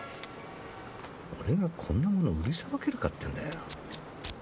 俺がこんなもの売りさばけるかってんだよ。